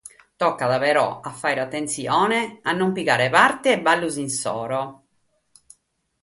Tocat però a fàghere atentzione a non pigare parte a sos ballos issoro.